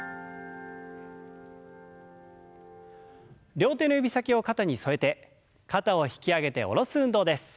両手の指先を肩に添えて肩を引き上げて下ろす運動です。